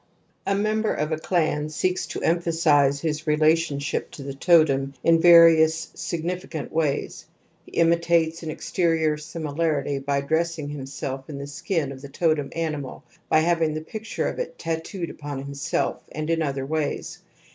A member of a clan seeks to emphasize his relationship to the totem in various significant ways ; he imitates an exterior similarity by dressing himself in the skin of the totem animal, by having the picture of it tattooed upon him self, and in other ways.